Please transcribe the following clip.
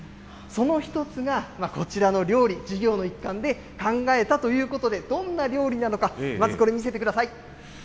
その一つが、こちらの料理、授業の一環で考えたということで、どんな料理なのか、まずこれ、見せてください。